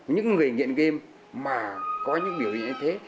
những người nghiện game mà có những biểu hiện như thế